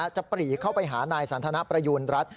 ปรีเข้าไปหานายสันทนประยูณรัฐ